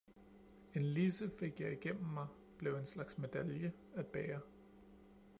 en lidse fik jeg igennem mig, blev en slags medalje at bære.